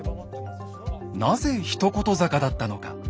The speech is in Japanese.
なぜ一言坂だったのか。